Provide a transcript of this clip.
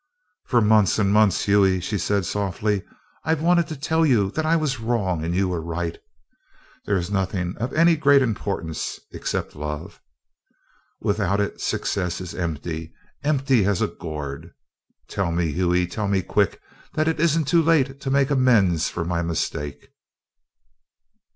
"For months and months, Hughie," she said softly, "I've wanted to tell you that I was wrong and you were right. There is nothing of any great importance except love. Without it success is empty empty as a gourd! Tell me, Hughie tell me quick that it isn't too late to make amends for my mistake!"